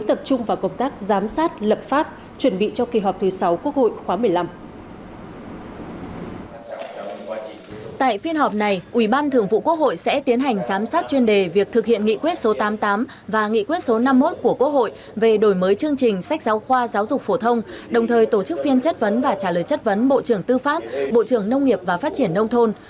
trong phiên họp này ủy ban thường vụ quốc hội sẽ tiến hành giám sát chuyên đề việc thực hiện nghị quyết số tám mươi tám và nghị quyết số năm mươi một của quốc hội về đổi mới chương trình sách giáo khoa giáo dục phổ thông đồng thời tổ chức phiên chất vấn và trả lời chất vấn bộ trưởng tư pháp bộ trưởng nông nghiệp và phát triển nông thôn